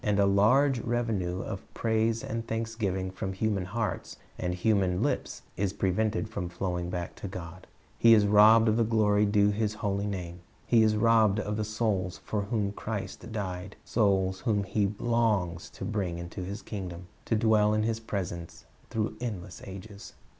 And a large revenue of praise and thanksgiving from human hearts and human lips is prevented from flowing back to God. He is robbed of the glory due to His holy name. He is robbed of the souls for whom Christ died, souls whom He longs to bring into His kingdom, to dwell in His presence through endless ages.